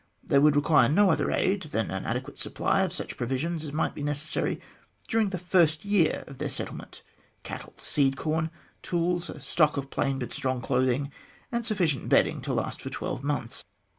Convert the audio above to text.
They would require no other aid than an adequate supply of such provisions as might be necessary during the first year of their settlement cattle, seed corn, tools, a stock of plain but strong clothing, and sufficient bedding to last for twelve months.